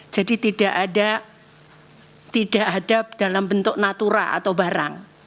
jadi tidak ada dalam bentuk natura atau barang